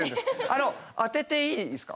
あの当てていいですか？